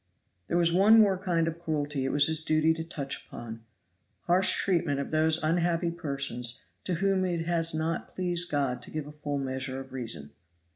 "There was one more kind of cruelty it was his duty to touch upon harsh treatment of those unhappy persons to whom it has not pleased God to give a full measure of reason.